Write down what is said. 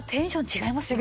違いますよね。